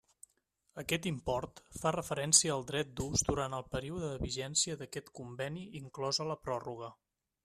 Aquest import fa referència al dret d'ús durant el període de vigència d'aquest conveni inclosa la pròrroga.